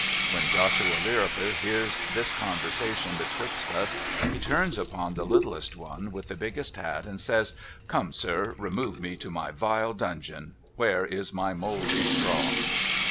When Joshua Lirriper hears this conversation betwixt us he turns upon the littlest one with the biggest hat and says ' Come sir ! Remove me to my vile dungeon. Where is my mouldy straw